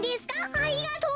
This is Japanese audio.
ありがとう。